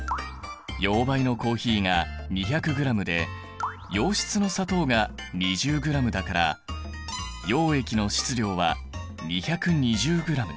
溶媒のコーヒーが２００ｇで溶質の砂糖が２０ｇだから溶液の質量は２２０ｇ。